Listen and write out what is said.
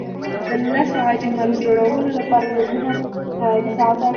د لسو عاجي مرو جوړولو لپاره زرګونه کاري ساعته اړتیا ده.